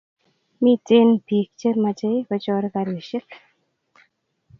Miten pik che mache kochor karishek